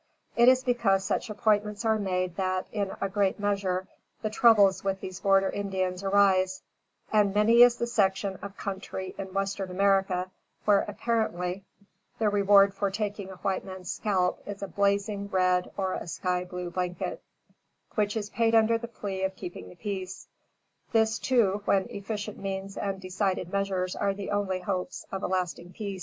It is because such appointments are made that, in a great measure, the troubles with these border Indians arise; and many is the section of country in western America, where apparently the reward for taking a white man's scalp is a blazing red or a sky blue blanket, which is paid under the plea of keeping the peace. This, too, when efficient means and decided measures are the only hopes of a lasting peace.